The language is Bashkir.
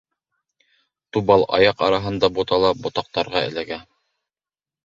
Тубал аяҡ араһында бутала, ботаҡтарға эләгә.